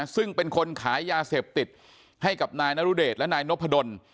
ซึ่งเป็นคนขายยาเสพติดให้กับนายนรุเดชและนายนพดล